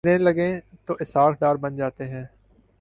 گرنے لگیں تو اسحاق ڈار بن جاتے ہیں۔